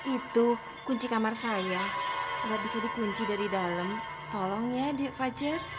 itu kunci kamar saya gak bisa dikunci dari dalam tolong ya de fajar